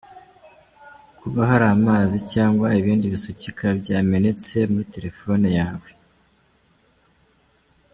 Kuba hari amazi cyangwa ibindi bisukika byamenetse muri telefone yawe .